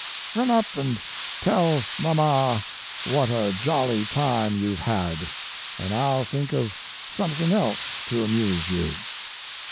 "( Run up and tell mamma what a jolly time you ve had and I ll think of something else to amuse you."